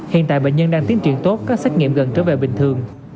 hiện tại bệnh nhân đang tiến triển tốt các xét nghiệm gần trở về bình thường